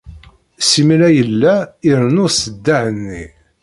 Simal ay yella irennu ṣṣdeɛ-nni.